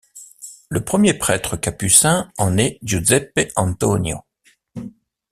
Le premier prêtre capucin en est Giuseppe Antonio.